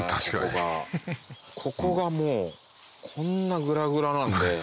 ここがもうこんなグラグラなんで。